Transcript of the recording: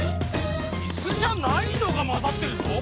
イスじゃないのがまざってるぞ！